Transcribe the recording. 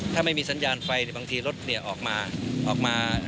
ถ้าไม่มีสัญญาณไฟบางทีรถออกมาออกมา